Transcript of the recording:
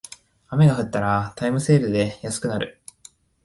雨が降ったらタイムセールで安くなる